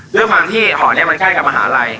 ด้วยความที่หอนี้มันใกล้กับมหาลัย